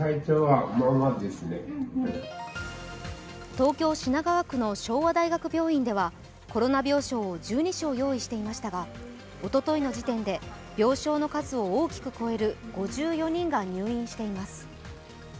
東京・品川区の昭和大学病院ではコロナ病床を１２勝用意していましたがおとといの時点で病床を大きく超える５４人が入院しています。